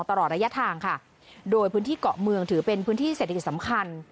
ตลอดระยะทางค่ะโดยพื้นที่เกาะเมืองถือเป็นพื้นที่เศรษฐกิจสำคัญ